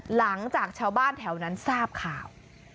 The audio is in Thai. หลังจากชาวบ้านแถวนั้นทราบข่าว